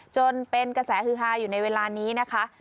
จนเป็นกระแสฮือฮาอยู่ในเวลานี้นะคะ